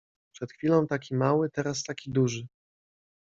Przed chwilą taki mały, teraz taki duży